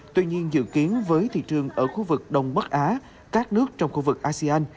tuy nhiên dự kiến với thị trường ở khu vực đông bắc á các nước trong khu vực asean